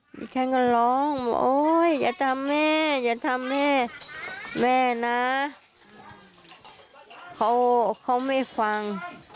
ดิฉันก็ร้องบอกโอ๊ยอย่าทำแม่อย่าทำแม่แม่นะเขาไม่ฟัง